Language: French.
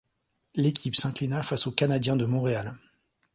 L'équipe s'inclina face aux Canadiens de Montréal.